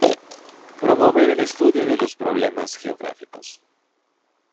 Promover el estudio de los problemas geográficos.